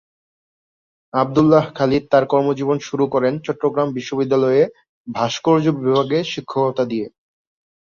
আব্দুল্লাহ খালিদ তার কর্মজীবন শুরু করেন চট্টগ্রাম বিশ্ববিদ্যালয়ে ভাস্কর্য বিভাগে শিক্ষকতা দিয়ে।